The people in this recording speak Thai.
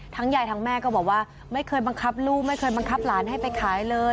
ยายทั้งแม่ก็บอกว่าไม่เคยบังคับลูกไม่เคยบังคับหลานให้ไปขายเลย